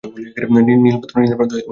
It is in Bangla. নীল প্রান্ত শান্তির প্রতীক।